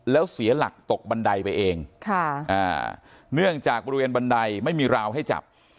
แล้วเสียหลักตกบันไดไปเองเนื่องจากบริเวณบันไดไม่มีราวให้จับ